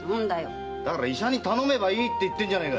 だから医者に頼めばいいって言ってんじゃねえか。